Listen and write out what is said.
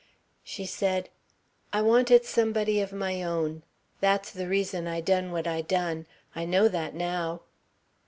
She said: "I wanted somebody of my own. That's the reason I done what I done. I know that now."